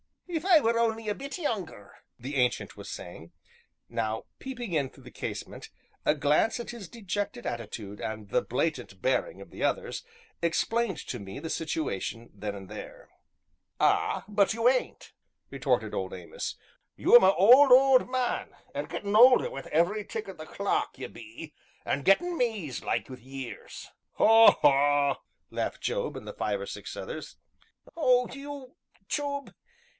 "If I were only a bit younger!" the Ancient was saying. Now, peeping in through the casement, a glance at his dejected attitude, and the blatant bearing of the others, explained to me the situation then and there. "Ah! but you ain't," retorted old Amos, "you 'm a old, old man an' gettin' older wi' every tick o' the clock, you be, an' gettin' mazed like wi' years." "Haw! haw!" laughed Job and the five or six others. "Oh, you Job!